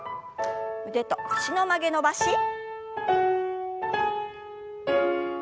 腕と脚の曲げ伸ばし。